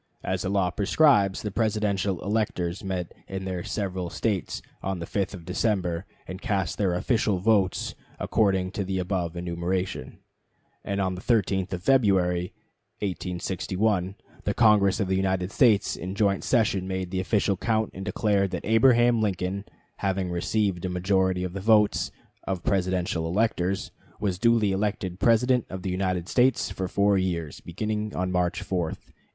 As the law prescribes, the Presidential electors met in their several States on the 5th of December, and cast their official votes according to the above enumeration. And on the 13th of February, 1861, the Congress of the United States in joint session made the official count, and declared that Abraham Lincoln, having received a majority of the votes of Presidential electors, was duly elected President of the United States for four years, beginning March 4, 1861.